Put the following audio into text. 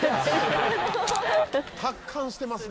「達観してますね」